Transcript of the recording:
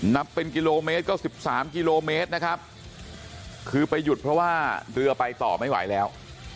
นับเป็นกิโลเมตรก็๑๓กิโลเมตรนะครับคือไปหยุดเพราะว่าเรือไปต่อไม่ไหวแล้ว